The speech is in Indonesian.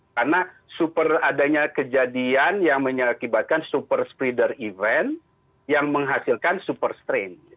karena super adanya kejadian yang menyebabkan super spreader event yang menghasilkan super strain